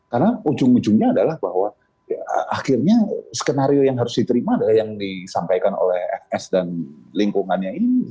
karena ujung ujungnya adalah bahwa akhirnya skenario yang harus diterima adalah yang disampaikan oleh fs dan lingkungannya ini